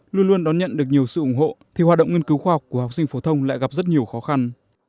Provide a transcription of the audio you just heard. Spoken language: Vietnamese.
luôn luôn đón nhận được nhiều sự ủng hộ thì hoạt động nghiên cứu khoa học của học sinh phổ thông lại gặp rất nhiều khó khăn